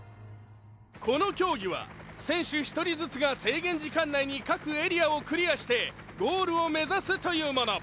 この競技は選手１人ずつが制限時間内に各エリアをクリアしてゴールを目指すというもの。